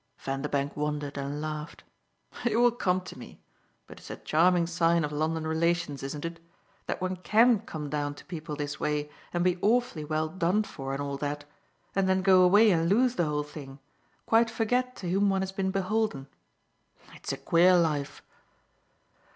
Vanderbank wondered and laughed. "It will come to me. But it's a charming sign of London relations, isn't it? that one CAN come down to people this way and be awfully well 'done for' and all that, and then go away and lose the whole thing, quite forget to whom one has been beholden. It's a queer life."